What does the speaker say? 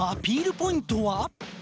ポイントは？